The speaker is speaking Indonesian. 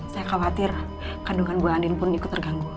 saya khawatir kandungan buah andin pun ikut terganggu